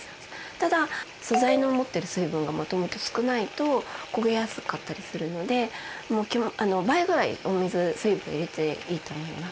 ただ素材の持ってる水分がもともと少ないと焦げやすかったりするので倍ぐらい水分を入れていいと思います。